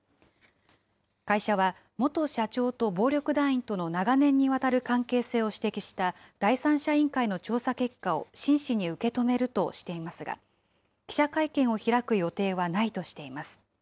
会社は元社長と暴力団員との長年にわたる関係性を指摘した第三者委員会の調査結果を真摯に受け止めるとしていますが、記者会見を開く予定はないとしています。